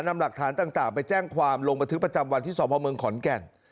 นำหลักฐานต่างไปแจ้งความลงบันทึกประจำวันที่สพเมืองขอนแก่น